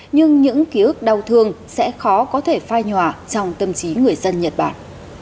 nhưng những ký ức đau thương sẽ khó có thể phai nhòa trong tâm trí người dân nhật bản